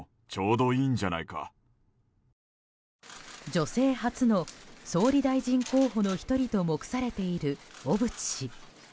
女性初の総理大臣候補の１人と目されている小渕氏。